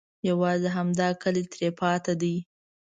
یوازې همدا کلی ترې پاتې دی.